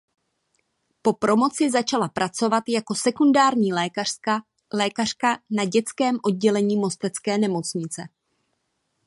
Po promoci začala pracovat jako sekundární lékařka na dětském oddělení mostecké nemocnice.